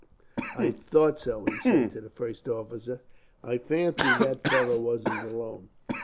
"I thought so," he said to the first officer. "I fancied that fellow wasn't alone.